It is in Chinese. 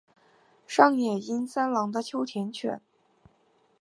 上野英三郎的秋田犬。